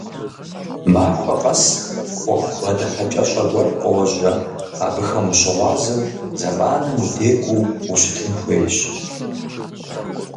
Махуэ къэс Ӏуэху бгъэдыхьэкӀэщӀэ гуэр къожьэ, абыхэм ущыгъуазэу, зэманым удекӀуу ущытын хуейщ.